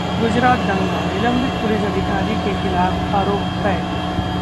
गुजरात दंगा: निलंबित पुलिस अधिकारी के खिलाफ आरोप तय